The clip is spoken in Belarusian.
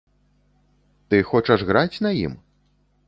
Ты хочаш граць на ім?